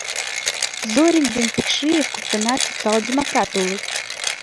— Зорин ден Пекшиев коктынат социал-демократ улыт.